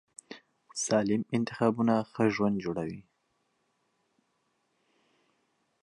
سالم انتخابونه ښه ژوند جوړوي.